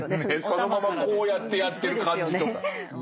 そのままこうやってやってる感じとか。